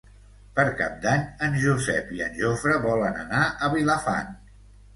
Per Cap d'Any en Josep i en Jofre volen anar a Vilafant.